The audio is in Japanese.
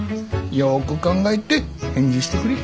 よく考えて返事してくれ。